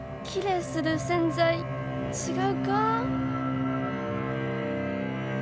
きれいする洗剤違うか？